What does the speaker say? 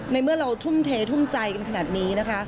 เมื่อเราทุ่มเททุ่มใจกันขนาดนี้นะคะ